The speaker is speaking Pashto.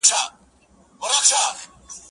غويی د وښو په زور چلېږي، هل د مټ په زور.